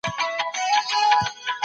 د سرې میاشتې ټولني مرستي رسولي.